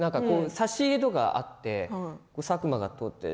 差し入れがあって佐久間が通って。